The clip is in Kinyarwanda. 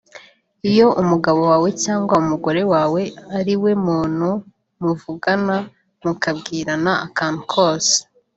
Iyo umugabo wawe cyangwa umugore wawe ari we muntu muvugana mukabwirana akantu kose